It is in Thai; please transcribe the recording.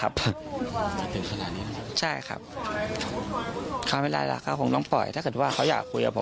แบบนี้ก็ได้นะค่ะ